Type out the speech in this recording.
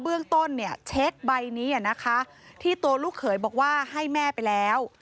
เบื้องต้นเนี่ยเช็คใบนี้นะคะที่ตัวลูกเขยบอกว่าให้แม่ไปแล้ว